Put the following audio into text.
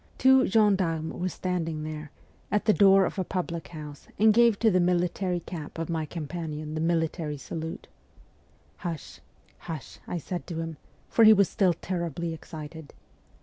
Two gendarmes were standing there, at the door of a public house, and gave to the military cap of my companion the military salute. ' Hush ! hush !' I said to him, for he was still terribly excited.